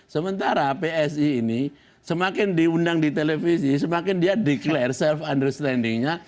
sementara psi ini semakin diundang di televisi semakin dia declare self understandingnya